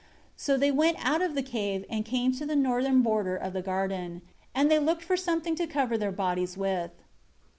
5 So they went out of the cave, and came to the northern border of the garden, and they looked for something to cover their bodies with*.